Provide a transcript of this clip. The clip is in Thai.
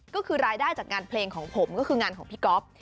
ก็คือรายได้จากงานเพลงของผมก็คืองานของพี่ก๊อฟ